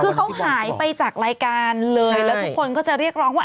คือเขาหายไปจากรายการเลยแล้วทุกคนก็จะเรียกร้องว่า